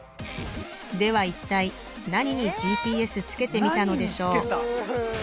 ではいったい何にＧＰＳつけてみたのでしょう